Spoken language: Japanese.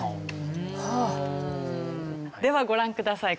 ではご覧ください。